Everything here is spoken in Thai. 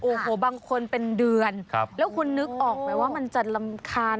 โอ้โหบางคนเป็นเดือนแล้วคุณนึกออกไหมว่ามันจะรำคาญ